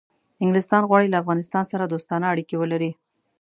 انګلیسان غواړي له افغانستان سره دوستانه اړیکې ولري.